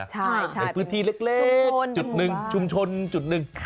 ในพิธีเล็กจุดนึงชุมชนจุดนึง